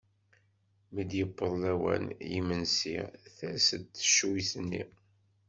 Mi d-yewweḍ lawan n yimensi ters-d teccuyt-nni.